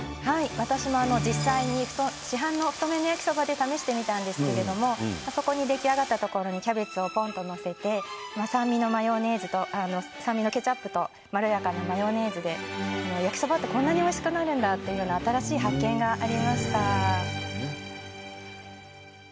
私も実際に市販の太麺焼きそばで試してみたんですが出来上がったところにキャベツをぽんと載せて酸味のケチャップとまろやかなマヨネーズで焼きそばってこんなにおいしくなるんだと新しい発見がありました。